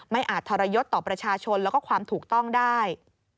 อาจทรยศต่อประชาชนแล้วก็ความถูกต้องได้